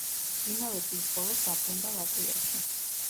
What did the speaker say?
იმავე წლის ბოლოს დაბრუნდა ლატვიაში.